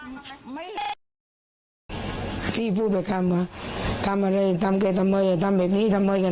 แล้วมันบอกว่าเค้าขายแล้วว่าขายได้ยังไงใครขายให้